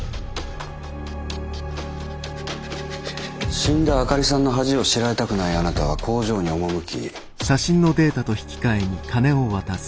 死んだ灯里さんの恥を知られたくないあなたは工場に赴き。